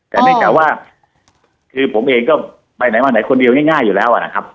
แต่ไม่แค่ว่าคือผมเองก็ไปไหนมาไหนคนเดียวง่ายง่ายอยู่แล้วอ่ะนะครับ